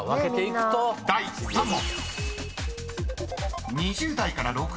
［第３問］